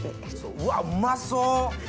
うわっうまそう！